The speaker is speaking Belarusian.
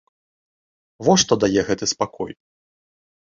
Во што дае гэты спакой!